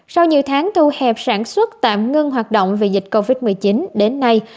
sau nhiều tháng thu hẹp sản xuất tạm ngưng hoạt động vì dịch covid một mươi chín đến nay